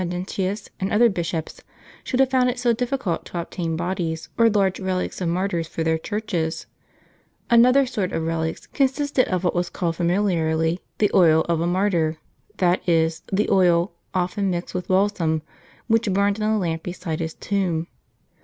Published by Euinart, — Acta, tom. iii. g ap ^:i that St. Ambrose, St. Gaudentius, and other bishops, should have found it so difficult to obtain bodies, or large relics of martyrs for their churches. Another sort of relics consisted of what was called familiarly the oil of a martyr, that is, the oil, often mixed with balsam, which burned in a lamp beside his tomb.